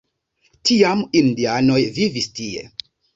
Tiam indianoj vivis tie.